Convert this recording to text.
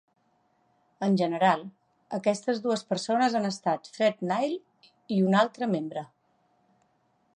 En general, aquestes dues persones han estat Fred Nile i un altre membre.